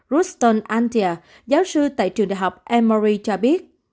ruston antia giáo sư tại trường đại học emory cho biết